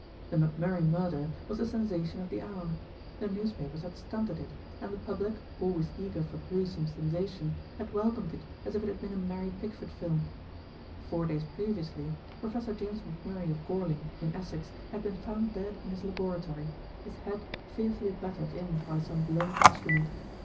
The McMurray Murder was the sensation of the hour. The newspapers had "stunted" it, and the public, always eager for gruesome sensation, had welcomed it as if it had been a Mary Pickford film. Four days previously, Professor James McMurray of Gorling, in Essex, had been found dead in his laboratory, his head fearfully battered in by some blunt instrument.